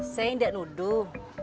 saya enggak nuduh